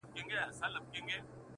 له ستړتیا یې خوږېدی په نس کي سږی؛